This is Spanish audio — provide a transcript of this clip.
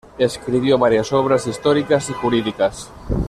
Escribió varias obras históricas y jurídicas.